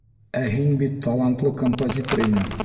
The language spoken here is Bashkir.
Ә һин бит талантлы композитор инең.